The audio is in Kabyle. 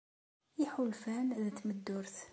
Iḥulfan d tmeddurt.